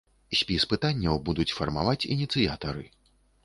Спіс пытанняў будуць фармаваць ініцыятары.